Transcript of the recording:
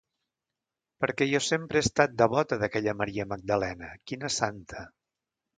Perquè jo sempre he estat devota d'aquella Maria Magdalena, quina santa!